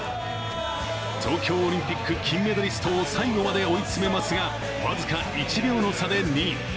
東京オリンピック金メダリストを最後まで追い詰めますが、僅か１秒の差で２位。